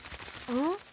うん？